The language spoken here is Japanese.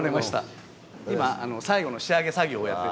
今最後の仕上げ作業をやってる。